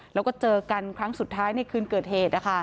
แล้วก็เจอกันครั้งสุดท้ายในคืนเกิดเหตุ